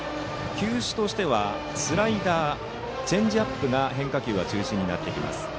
球種としてはスライダーチェンジアップが変化球の中心になってきます。